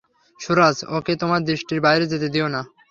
সুরাজ, ওকে তোমার দৃষ্টির বাইরে যেতে দিও না।